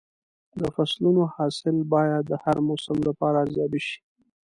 د فصلونو حاصل باید د هر موسم لپاره ارزیابي شي.